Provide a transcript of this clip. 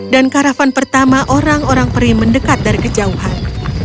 dan karavan pertama orang orang peri mendekat dari kejauhan